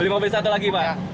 beli mobil satu lagi pak